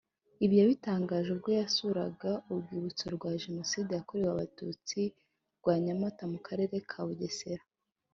Ibi yabitangaje ubwo yasuraga urwibutso rwa Jenoside yakorewe Abatutsi rwa Nyamata mu karere ka Bugesera